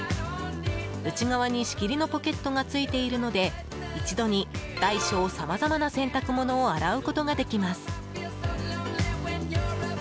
内側に仕切りのポケットがついているので一度に大小さまざまな洗濯物を洗うことができます。